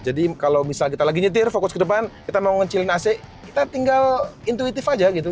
jadi kalau misalnya kita lagi nyetir fokus ke depan kita mau ngecilin ac kita tinggal intuitif aja gitu